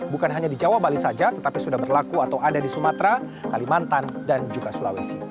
bukan hanya di jawa bali saja tetapi sudah berlaku atau ada di sumatera kalimantan dan juga sulawesi